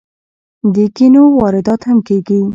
د کینو واردات هم کیږي.